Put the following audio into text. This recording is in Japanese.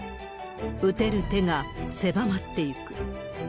打てる手が狭まっていく。